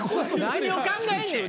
何を考えんねん！